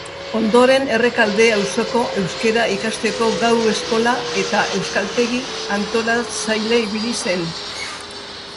Ondoren Errekalde auzoko euskara ikasteko gau-eskola eta euskaltegi-antolatzaile ibili zen.